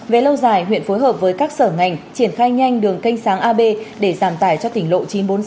về lâu dài huyện phối hợp với các sở ngành triển khai nhanh đường canh sáng ab để giảm tải cho tỉnh lộ chín trăm bốn mươi sáu